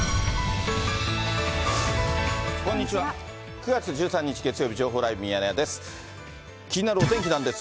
９月１３日月曜日、情報ライブミヤネ屋です。